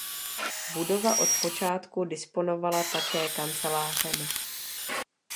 Budova od počátku disponovala také kancelářemi.